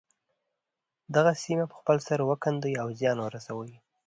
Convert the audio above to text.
دغه سیمې په خپل سر وکیندي او زیان ورسوي.